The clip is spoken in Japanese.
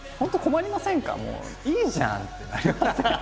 もういいじゃんってなりません？